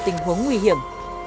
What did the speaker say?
tình huống nguy hiểm